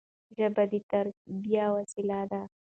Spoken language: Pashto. ژبه د تربيي وسیله ده.